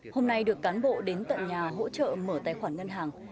hôm nay được cán bộ đến tận nhà hỗ trợ mở tài khoản ngân hàng